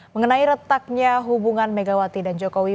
mengenai retaknya hubungan megawati dan jokowi